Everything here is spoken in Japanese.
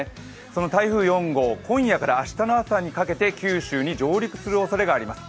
その台風４号、今夜から明日の朝にかけて九州に上陸するおそれがあります。